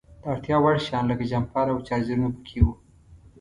د اړتیا وړ شیان لکه جمپر او چارجرونه په کې وو.